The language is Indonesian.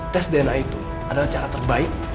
tes dna itu adalah cara terbaik